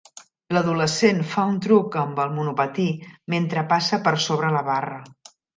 L'adolescent fa un truc amb el monopatí mentre passa per sobre la barra.